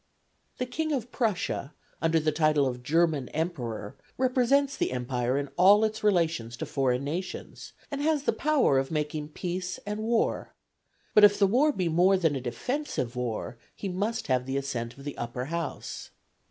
" The King of Prussia, under the title of German Emperor, represents the empire in all its relations to foreign nations, and has the power of making peace and war, but if the war be more than a defensive war he must have the assent of the Upper House.